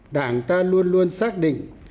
đảng ta luôn luôn xác định